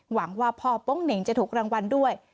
หวังว่าพ่อโป๊งเหน่งจะถูกรางวัลด้วย